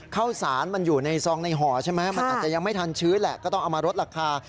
ข้าวสารมันอยู่ในซองในห่อใช่ไหมมันอาจจะยังไม่ทันชื้นแหละก็ต้องเอามาลดราคา